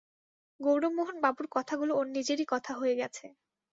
গৌরমোহনবাবুর কথাগুলো ওঁর নিজেরই কথা হয়ে গেছে।